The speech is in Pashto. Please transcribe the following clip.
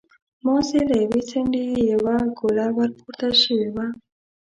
مازې له يوې څنډې يې يوه ګوله ور پورته شوې وه.